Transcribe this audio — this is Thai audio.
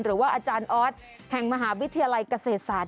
หรือว่าอาจารย์ออสแห่งมหาวิทยาลัยเกษตรศาสต